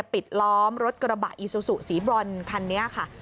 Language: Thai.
ปิดล้อมรถกระบะอีซูซูสีบรอนคันนี้ค่ะ